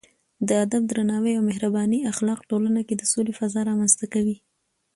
د ادب، درناوي او مهربانۍ اخلاق ټولنه کې د سولې فضا رامنځته کوي.